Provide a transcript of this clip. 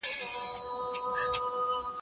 نه پوهېږي دا وګړي